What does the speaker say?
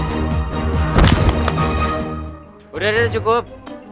sudah sudah cukup